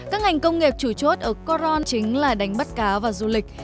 các ngành công nghiệp chủ chốt ở coron chính là đánh bắt cá và du lịch